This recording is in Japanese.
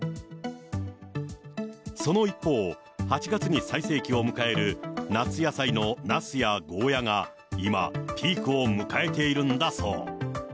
その一方、８月に最盛期を迎える夏野菜のナスやゴーヤが、今、ピークを迎えているんだそう。